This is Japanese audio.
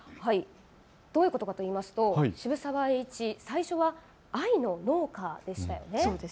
どういうことかといいますと渋沢栄一、最初は藍の農家でしたよね。